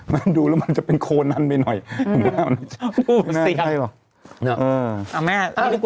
มันดูแล้วมันจะเป็นโคนนั้นไปหน่อยไม่น่าได้หรอก